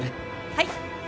はい。